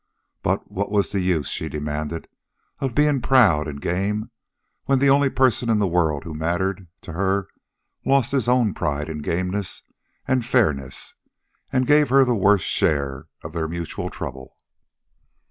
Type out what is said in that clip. But what was the use, she demanded, of being proud and game, when the only person in the world who mattered to her lost his own pride and gameness and fairness and gave her the worse share of their mutual trouble?